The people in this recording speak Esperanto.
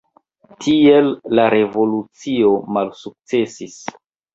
Tiel la revolucio malsukcesis.